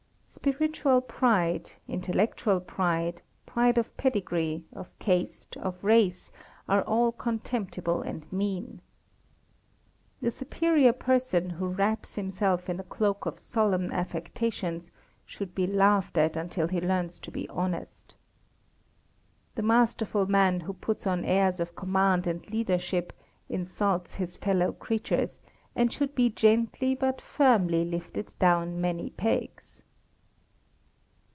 Spiritual pride, intellectual pride, pride of pedigree, of caste, of race are all contemptible and mean. The superior person who wraps himself in a cloak of solemn affectations should be laughed at until he learns to be honest. The masterful man who puts on airs of command and leadership insults his fellow creatures, and should be gently but firmly lifted down many pegs.